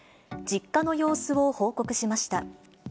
実家の様子を報告しました。